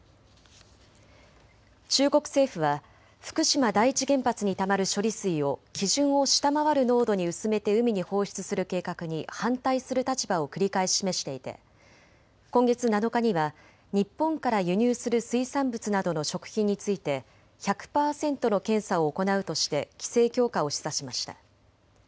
中国政府は福島第一原発にたまる処理水を基準を下回る濃度に薄めて海に放出する計画に反対する立場を繰り返し示していて今月７日には日本から輸入する水産物などの食品について１００％の検査を行うとして規制強化を示唆しました。